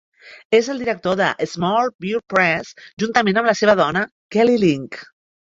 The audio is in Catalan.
És el director de Small Beer Press juntament amb la seva dona, Kelly Link.